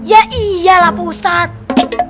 ya iyalah pak ustadz